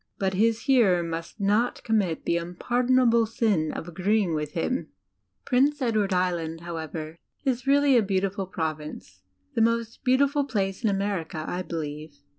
But his hearer must not commit the unpardonable sin of agreeing with him! [.ol ,,. ,,_,dbyCTOOgle Prince Edward Island, however, is really a beautiful Province the most beaudful place in America, I believe.